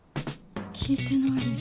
聞いてないです。